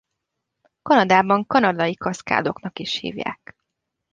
Kanadában Kanadai-kaszkádoknak is hívják.